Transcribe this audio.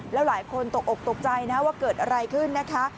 แล้วหลายคนตกอกตกใจนะว่าเกิดอะไรขึ้นนะคะ